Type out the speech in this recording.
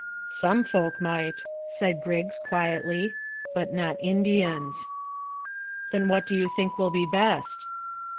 "Some folk might," said Griggs quietly, "but not Indians." "Then what do you think will be best?"